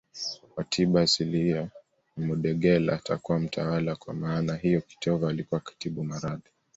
wa tiba asilia na mudegela atakuwa mtawala kwa maana hiyo kitova alikuwa akitibu maradhi